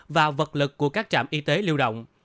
và vật lực của các trạm y tế lưu động